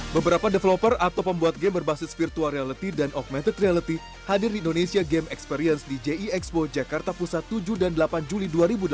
beberapa developer atau pembuat game berbasis virtual reality dan augmented reality hadir di indonesia game experience di jie expo jakarta pusat tujuh dan delapan juli dua ribu delapan belas